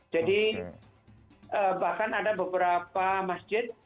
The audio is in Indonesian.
jadi bahkan ada beberapa masjid